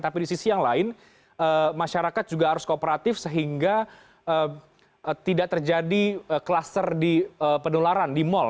tapi di sisi yang lain masyarakat juga harus kooperatif sehingga tidak terjadi kluster di penularan di mal